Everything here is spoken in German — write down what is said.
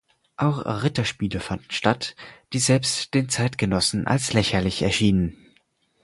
Auch Ritterspiele fanden statt, die selbst den Zeitgenossen als lächerlich erschienen.